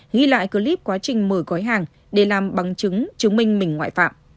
ghi lại clip quá trình mở gói hàng để làm bằng chứng chứng minh mình ngoại phạm